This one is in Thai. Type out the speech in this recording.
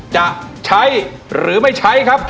จะใช้หรือไม่ใช้ครับ